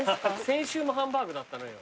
先週もハンバーグだったのよ。